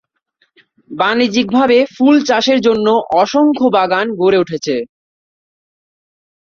বাণিজ্যিকভাবে ফুল চাষের জন্য অসংখ্য বাগান গড়ে উঠেছে।